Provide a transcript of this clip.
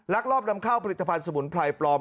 ลอบนำเข้าผลิตภัณฑ์สมุนไพรปลอม